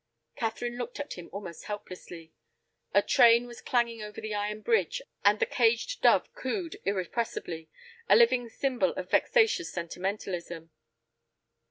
Catherine looked at him almost helplessly. A train was clanging over the iron bridge, and the caged dove cooed irrepressibly, a living symbol of vexatious sentimentalism.